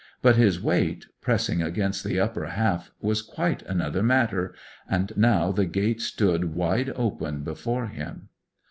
But his weight pressing against the upper half was quite another matter; and now the gate stood wide open before him.